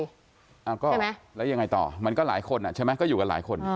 เอาก็แล้วยังไงต่อมันก็หลายคนอ่ะใช่ไหมก็อยู่กันหลายคน